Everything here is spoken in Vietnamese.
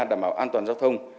đảm bảo an toàn giao thông